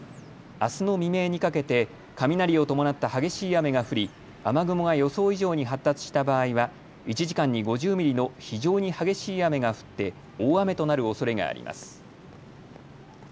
あすの未明にかけて雷を伴った激しい雨が降り雨雲が予想以上に発達した場合は１時間に５０ミリの非常に激しい雨が降って大雨となるおそれがあります。